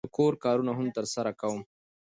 د کور کارونه هم ترسره کوم.